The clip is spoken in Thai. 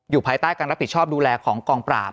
ภายใต้การรับผิดชอบดูแลของกองปราบ